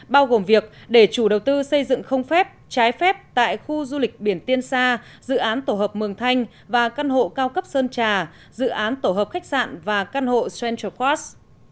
bao gồm việc để chủ đầu tư xây dựng không phép trái phép tại khu du lịch biển tiên sa dự án tổ hợp mường thanh và căn hộ cao cấp sơn trà dự án tổ hợp khách sạn và căn hộ central cross